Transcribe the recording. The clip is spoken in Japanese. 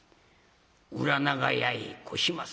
裏長屋へ越します。